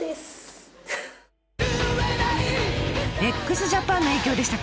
ＸＪＡＰＡＮの影響でしたか！